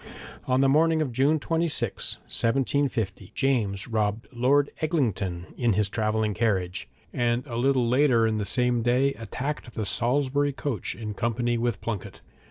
On the morning of June 26, 1750, James robbed Lord Eglinton in his travelling carriage, and a little later in the same day attacked the Salisbury coach, in company with Plunket.